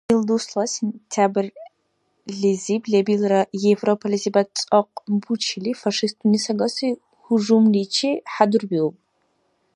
Ил дусла сентябрьлизиб, лебилра Европализибад цӀакь бучили, фашистуни сагаси гьужумличи хӀядурбиуб.